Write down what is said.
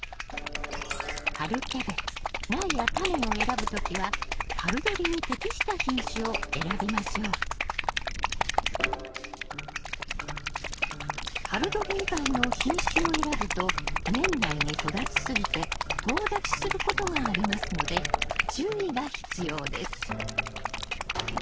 春キャベツ苗やタネを選ぶ時は春どり以外の品種を選ぶと年内に育ち過ぎてとう立ちすることがありますので注意が必要です